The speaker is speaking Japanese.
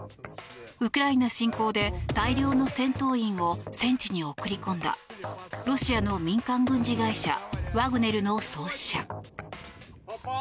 ウクライナ侵攻で大量の戦闘員を戦地に送り込んだロシアの民間軍事会社ワグネルの創始者。